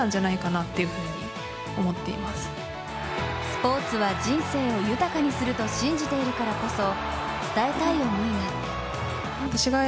スポーツは人生を豊かにすると信じているからこそ伝えたい思いが。